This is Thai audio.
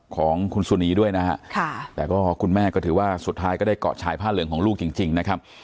ของคุณสุนีด้วยนะฮะแต่ก็คุณแม่ก็ถือว่าสุดท้ายก็ได้เกาะชายผ้าเหลืองของลูกจริงนะครับ